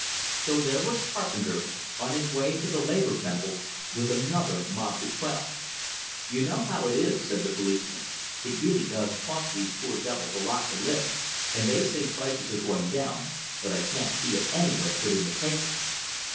So there was Carpenter, on his way to the Labor Temple, with another mob to quell! "You know how it is," said the policeman. "It really does cost these poor devils a lot to live, and they say prices are going down, but I can't see it anywhere but in the papers."